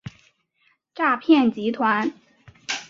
诈骗集团